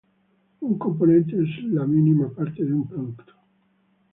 Un componente es la mínima parte de un producto.